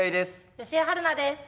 吉江晴菜です。